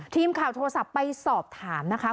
ทีมข่าวโทรศัพท์ไปสอบถามนะคะ